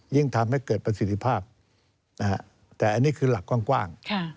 ยิ่งทำให้เกิดประสิทธิภาพแต่อันนี้คือหลักกว้าง